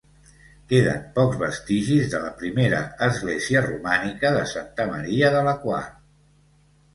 Queden pocs vestigis de la primera església romànica de Santa Maria de la Quar.